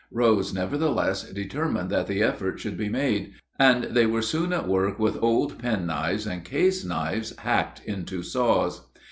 Rose nevertheless determined that the effort should be made, and they were soon at work with old penknives and case knives hacked into saws.